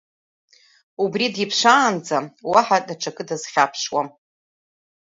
Убри диԥшаанӡа уаҳа аҽакы дазхьаԥшуам.